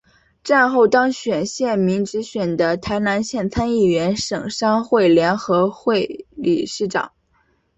战后当选县民直选的台南县参议员省商会联合会理事长。